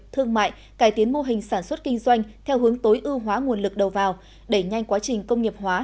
thương mại cải tiến mô hình sản xuất kinh doanh theo hướng tối ưu hóa nguồn lực đầu vào đẩy nhanh quá trình công nghiệp hóa